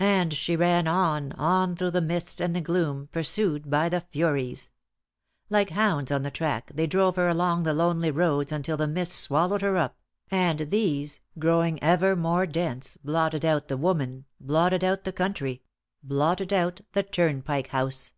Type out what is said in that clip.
And she ran on, on through the mists and the gloom, pursued by the Furies. Like hounds on the track, they drove her along the lonely roads until the mists swallowed her up; and these, growing ever more dense, blotted out the woman, blotted out the country, blotted out the Turnpike House.